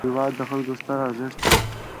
هېواد د خلکو ستر ارزښت دی.